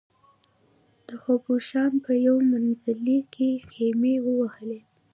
د خبوشان په یو منزلي کې خېمې ووهلې.